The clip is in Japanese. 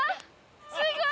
すごい！